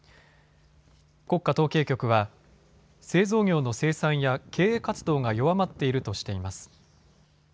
国家統計局は製造業の生産や経営活動が弱まっているとしています。